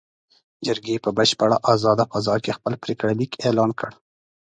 جرګې په بشپړه ازاده فضا کې خپل پرېکړه لیک اعلان کړ.